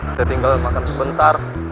saya tinggal makan sebentar